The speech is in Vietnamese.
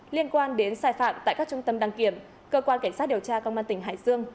liên quan đến sai phạm tại các trung tâm đăng kiểm cơ quan cảnh sát điều tra công an tỉnh hải dương